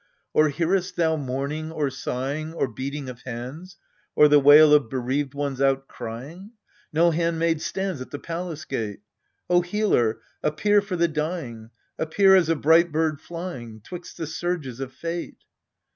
Or hearest thou mourning or sighing Or beating of hands, Or the wail of bereaved ones outcrying ? No handmaid stands At the palace gate. O Healer, appear for the dying, appear as a bright bird flying 'Twixt the surges of fate